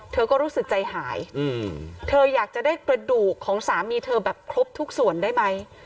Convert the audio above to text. เธอก็รู้สึกใจหายเธออยากจะได้กระดูกของสามีเธอแบบครบทุกส่วนได้ไหม